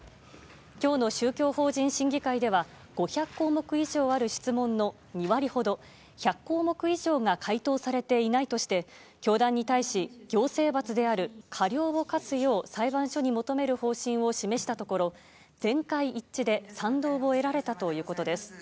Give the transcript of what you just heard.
今日の宗教法人審議会では５００項目以上ある質問の２割ほど１００項目以上が回答されていないとして教団に対し行政罰である過料を科すよう裁判所に求める方針を示したところ、全会一致で賛同を得られたということです。